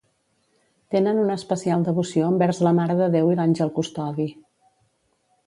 Tenen una especial devoció envers la Mare de Déu i l'àngel custodi.